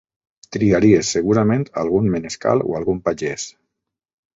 Triaries segurament algun menescal o algun pagès.